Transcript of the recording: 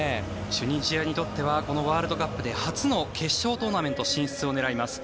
チュニジアにとってはこのワールドカップで初の決勝トーナメント進出を狙います。